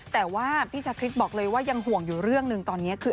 แต่ว่าพี่ชาคริสบอกเลยว่ายังห่วงอยู่เรื่องหนึ่งตอนนี้คือ